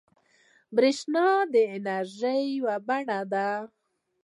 بریښنا د انرژۍ یوه بڼه ده